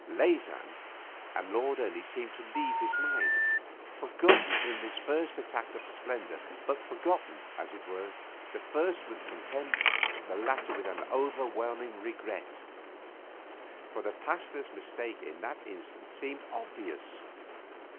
Leysin and Lord Ernie seemed to leave his mind, forgotten in this first attack of splendour, but forgotten, as it were, the first with contempt, the latter with an overwhelming regret. For the Pasteur's mistake in that instant seemed obvious.